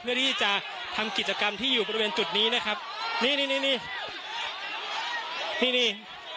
เพื่อที่จะทำกิจกรรมที่อยู่บริเวณจุดนี้นะครับนี่นี่นี่นี่